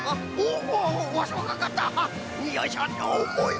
よいしょおもいね